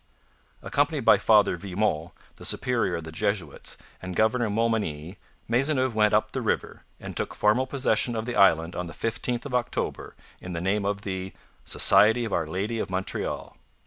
Accompanied by Father Vimont, the superior of the Jesuits, and Governor Montmagny, Maisonneuve went up the river, and took formal possession of the island on the 15th of October in the name of the 'Society of Our Lady of Montreal.'